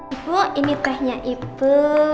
ibu ini belahnya ibu